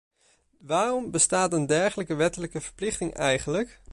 Waarom bestaat een dergelijke wettelijke verplichting eigenlijk?